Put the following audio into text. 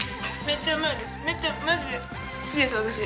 めっちゃうまいです。